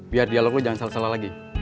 biar dialog lu jangan salah salah lagi